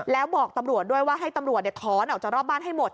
แล้วบอกตำรวจด้วยว่าให้ตำรวจถอนออกจากรอบบ้านให้หมด